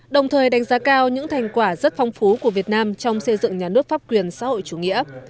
đồng thời đánh giá cao những thành quả rất phong phú của việt nam trong xây dựng nhà nước pháp quyền xã hội chủ nghĩa